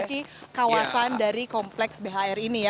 kedekatkan lagi kawasan dari kompleks bhr ini ya